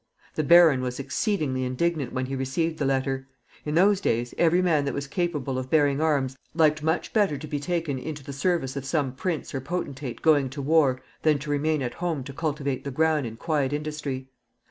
The baron was exceedingly indignant when he received the letter. In those days, every man that was capable of bearing arms liked much better to be taken into the service of some prince or potentate going to war than to remain at home to cultivate the ground in quiet industry.